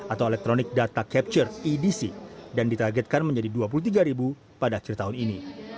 atau electronic data capture edc dan ditargetkan menjadi rp dua puluh tiga pada akhir tahun ini